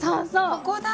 ここだ。